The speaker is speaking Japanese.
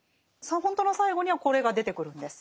本当の最後にはこれが出てくるんです。